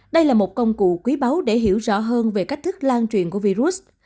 đây là một công cụ quý báu để hiểu rõ hơn về cách thức lan truyền của virus